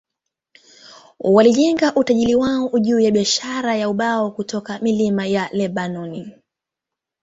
Walijenga utajiri wao juu ya biashara ya ubao kutoka milima ya Lebanoni.